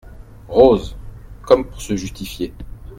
Rose , comme pour se justifier.